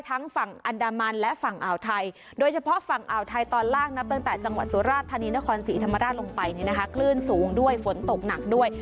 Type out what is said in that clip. ธรรมราชลงไปเนี่ยนะคะคลื่นสูงด้วยฝนตกหนักด้วย